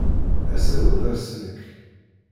Ass-a ur d ass-nnek.